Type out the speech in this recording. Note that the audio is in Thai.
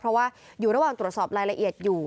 เพราะว่าอยู่ระหว่างตรวจสอบรายละเอียดอยู่